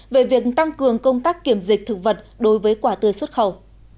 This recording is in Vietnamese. về việc tăng cường công tác kiểm dịch thực vật đối với quả tươi xuất khẩu